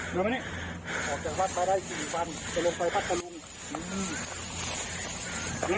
หลวงมานี่ออกจากวัดมาได้สี่ฟันจะลงไปพัดกับลุงอืม